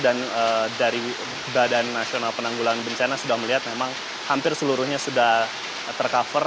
dan dari badan nasional penanggulan bencana sudah melihat memang hampir seluruhnya sudah ter cover